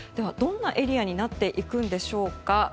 どんなエリアになっていくんでしょうか。